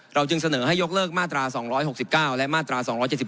จึงเสนอให้ยกเลิกมาตรา๒๖๙และมาตรา๒๗๒